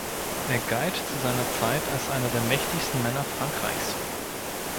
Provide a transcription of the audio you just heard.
Er galt zu seiner Zeit als einer der mächtigsten Männer Frankreichs.